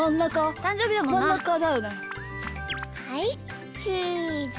はいチーズ！